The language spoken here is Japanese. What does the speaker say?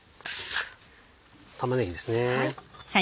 玉ねぎですね。